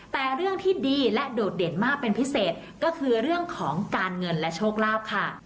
แต่เรื่องที่ดีและโดดเด่นมากเป็นพิเศษก็คือเรื่องของการเงินและโชคลาภค่ะ